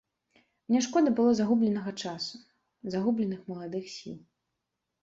Мне шкода было загубленага часу, загубленых маладых сіл.